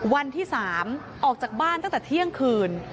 วันที่๓ออกจากบ้านตั้งแต่เที่ยงคืน